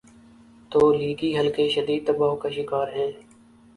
تولیگی حلقے شدید دباؤ کا شکارہیں۔